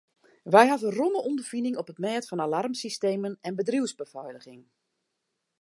Wy hawwe romme ûnderfining op it mêd fan alarmsystemen en bedriuwsbefeiliging.